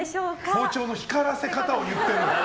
包丁の光らせ方を言ってる。